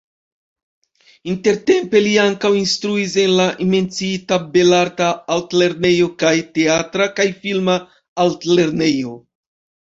Intertempe li ankaŭ instruis en la menciita Belarta Altlernejo kaj Teatra kaj Filma Altlernejo.